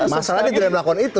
masalahnya tidak melakukan itu